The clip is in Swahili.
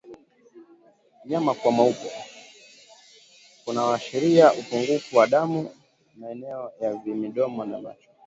Mnyama kuwa mweupe kunakoashiria upungufu wa damu maeneo ya midomo na macho